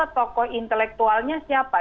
tokoh intelektualnya siapa